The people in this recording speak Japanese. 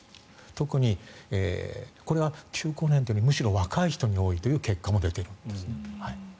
特に、これは中高年というよりむしろ若い人に多いという結果が出ている。